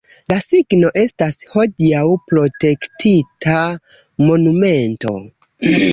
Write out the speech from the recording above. La signo estas hodiaŭ protektita monumento.